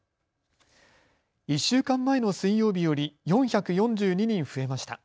１週間前の水曜日より４４２人増えました。